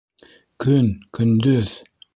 Көн, көндөҙ